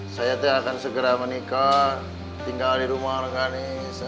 saya tuh akan segera menikah tinggal di rumah rekanis